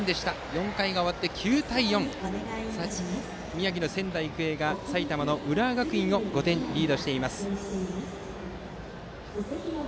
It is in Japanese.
４回が終わって９対４宮城・仙台育英が埼玉・浦和学院を５点リードしています。